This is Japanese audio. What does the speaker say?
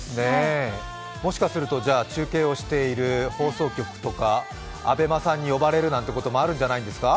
もしかすると中継をしている放送局とかＡｂｅｍａさんに呼ばれるなんてこともあるんじゃないですか。